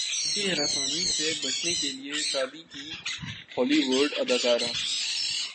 جنسی ہراسانی سے بچنے کیلئے شادی کی ہولی وڈ اداکارہ